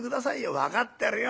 「分かってるよ。